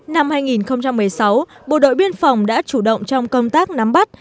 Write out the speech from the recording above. năm hai nghìn một mươi sáu bộ đội biên phòng đã chủ động trong công tác nắm bắt